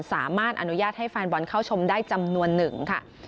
สามารถอนุญาตให้แฟนบอลเข้าชมได้จำนวนหนึ่งค่ะ